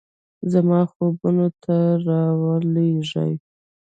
زما خوبونو ته راولیږئ